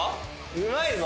うまいぞ。